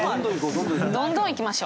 どんどんいきましょう